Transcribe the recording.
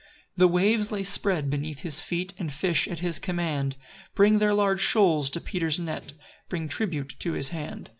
6 The waves lay spread beneath his feet; And fish, at his command, Bring their large shoals to Peter's net, Bring tribute to his hand.